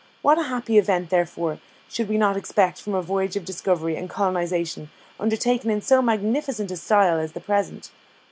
What a happy event, therefore, should we not expect from a voyage of discovery and colonisation undertaken in so magnificent a style as the present!